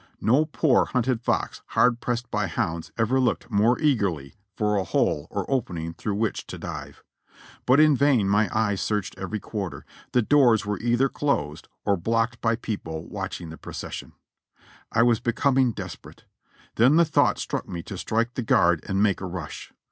No poor, hunted fox, hard pressed by hounds, ex'er looked more eagerly for a hole or opening through which to dive. But in vain my eyes searched every quarter ; the doors were either closed or blocked by people watching the procession, I was becoming desperate. Then the thought struck me to strike the guard and make a rush.